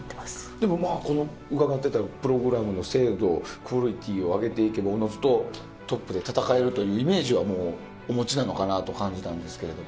でも伺ってたプログラムの精度クオリティーを上げていけばおのずとトップで戦えるというイメージはお持ちなのかなと感じたんですけど。